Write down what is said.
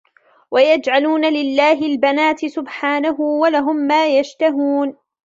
وَيَجْعَلُونَ لِلَّهِ الْبَنَاتِ سُبْحَانَهُ وَلَهُمْ مَا يَشْتَهُونَ